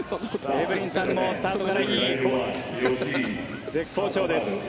エブリンさんもスタートから絶好調です。